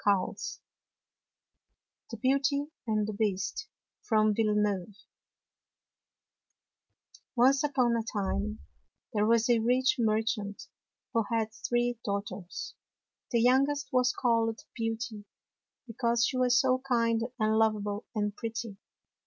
[ 78 ] BEAUTY AND THE BEAST O NCE upon a time there was a rich merchant who had three daughters. The youngest was called Beauty because she was so kind and lovable and pretty.